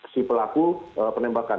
si pelaku penembakan